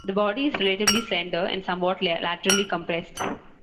The body is relatively slender and somewhat laterally compressed.